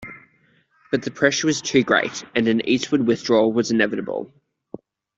But the pressure was too great and an eastward withdrawal was inveitable.